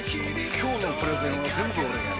今日のプレゼンは全部俺がやる！